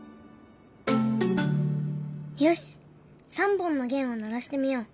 よし３本の弦を鳴らしてみよう。